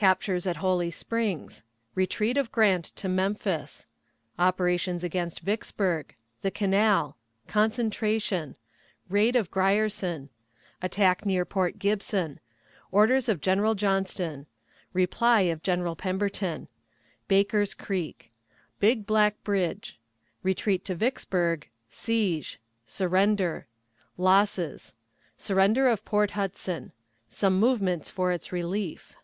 Captures at Holly Springs. Retreat of Grant to Memphis. Operations against Vicksburg. The Canal. Concentration. Raid of Grierson. Attack near Port Gibson. Orders of General Johnston. Reply of General Pemberton. Baker's Creek. Big Black Bridge. Retreat to Vicksburg. Siege. Surrender. Losses. Surrender of Port Hudson. Some Movements for its Relief.